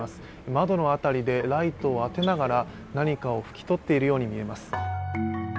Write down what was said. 窓の辺りでライトを当てながら何かを拭き取っているように見えます。